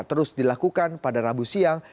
terus dilakukan pada rabu siang